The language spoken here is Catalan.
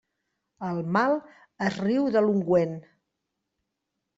El mal es riu de l'ungüent.